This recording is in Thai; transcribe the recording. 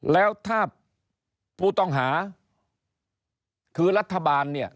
แล้วถ้าผู้ต้องหาคือรัฐบาลเนี่ย